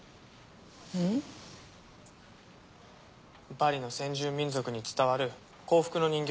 バリの先住民族に伝わる幸福の人形。